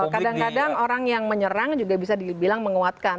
kadang kadang orang yang menyerang juga bisa dibilang menguatkan